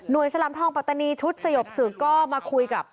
นวยชลำทองปัตตานีชุดสยบสือก็มาคุยกับ